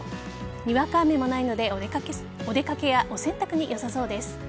にわか雨もないのでお出掛けやお洗濯によさそうです。